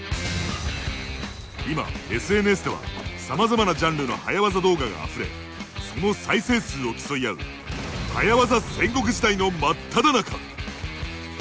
今ＳＮＳではさまざまなジャンルの早ワザ動画があふれその再生数を競い合う「早ワザ戦国時代」の真っただ中！